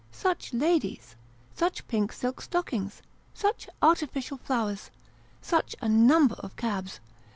Such ladies! Such pink silk stockings ! Such artificial flowers ! Such a number of cabs!